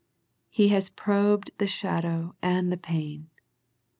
He has probed the shadow and the pain.